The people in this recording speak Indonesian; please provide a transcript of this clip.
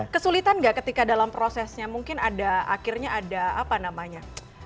kesulitan gak ketika dalam prosesnya mungkin ada akhirnya ada apa namanya